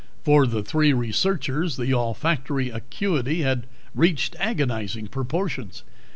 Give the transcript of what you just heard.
For the three researchers, the olfactory acuity had reached agonizing proportions.